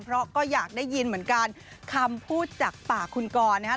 เพราะก็อยากได้ยินเหมือนกันคำพูดจากปากคุณกรนะฮะ